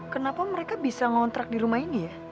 kenapa mereka bisa ngontrak di rumah ini ya